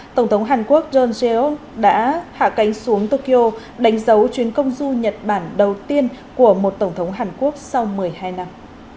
tổng thống hàn quốc john zeo đã hạ cánh xuống tokyo đánh dấu chuyến công du nhật bản đầu tiên của một tổng thống hàn quốc sau một mươi hai năm